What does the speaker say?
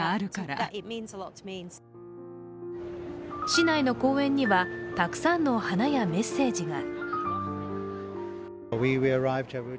市内の公園にはたくさんの花やメッセージが。